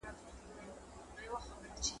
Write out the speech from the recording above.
مشر زوى چي يې په عمر زر كلن وو `